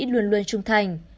mỹ luôn luôn trung thành